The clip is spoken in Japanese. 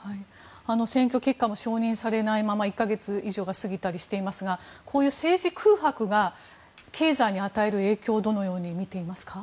選挙結果が承認されないまま１か月以上過ぎたりしていますがこういう政治空白が経済に与える影響をどのように見ていますか？